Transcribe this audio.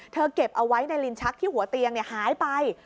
เก็บเอาไว้ในลิ้นชักที่หัวเตียงหายไป